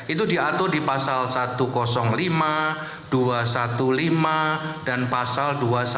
itu diatur di pasal satu ratus lima dua ratus lima belas dan pasal dua ratus dua belas